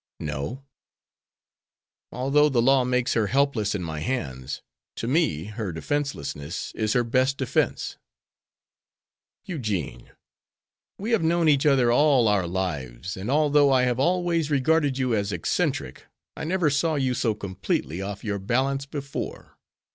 "No. Although the law makes her helpless in my hands, to me her defenselessness is her best defense." "Eugene, we have known each other all of our lives, and, although I have always regarded you as eccentric, I never saw you so completely off your balance before.